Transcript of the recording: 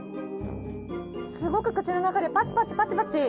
すごく口の中でパチパチ、パチパチ！